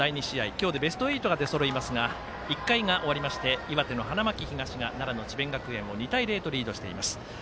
今日でベスト８が出そろいますが１回が終わりまして岩手の花巻東が奈良、智弁学園を２対０とリードしています。